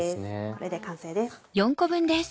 これで完成です。